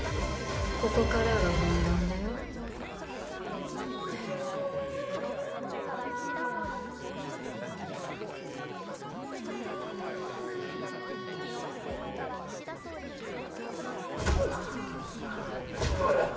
ここからが本番だようっ